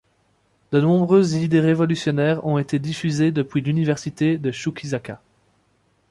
De nombreuses idées révolutionnaires ont été diffusées depuis l'Université de Chuquisaca.